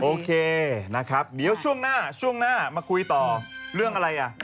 โอเคนะครับเดี๋ยวช่วงหน้ามาคุยต่อเรื่องอะไรละ